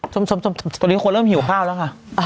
ตอนนี้คนเริ่มหิวข้าวแล้วค่ะ